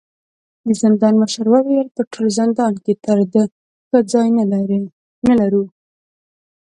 د زندان مشر وويل: په ټول زندان کې تر دې ښه ځای نه لرو.